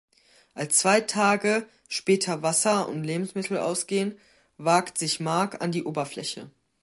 Als zwei Tage später Wasser und Lebensmittel ausgehen, wagt sich Mark an die Oberfläche.